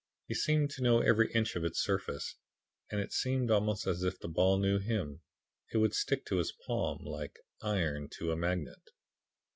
He seemed to know every inch of its surface, and it seemed almost as if the ball knew him. It would stick to his palm, like iron to a magnet.